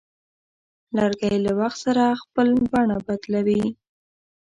لرګی له وخت سره خپل بڼه بدلوي.